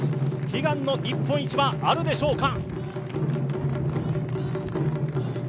悲願の日本一はあるでしょうか。